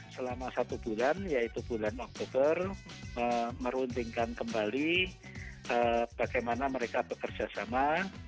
selama satu bulan yaitu bulan oktober meruntingkan kembali bagaimana mereka bekerja sama